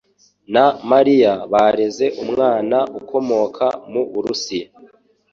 na Mariya bareze umwana ukomoka mu Burusiya.